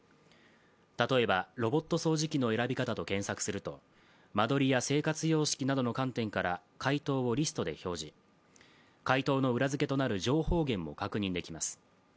例えばロボット掃除機の選び方と検索すると間取りや生活様式などの観点から回答をリストで表示、回答の裏付けとなる情報源も確認できます。